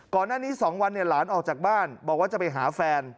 ก่อนหน้านี้๒วันหลานออกจากบ้านบอกว่าจะไปหาแฟน